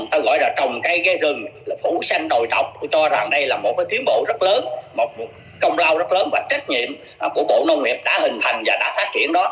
ta gọi là trồng cây rừng là phủ xanh đồi độc tôi cho rằng đây là một cái tiến bộ rất lớn một công lao rất lớn và trách nhiệm của bộ nông nghiệp đã hình thành và đã phát triển đó